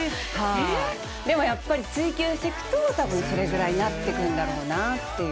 でもやっぱり追求していくと多分それぐらいになっていくんだろうなっていう。